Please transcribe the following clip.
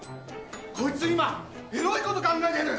こいつ今エロいこと考えてる！